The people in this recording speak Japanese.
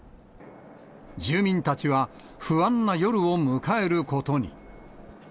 住民たちは不安な夜を迎えることに。